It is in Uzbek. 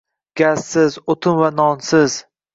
Gazsiz, o'tin va nonsiz...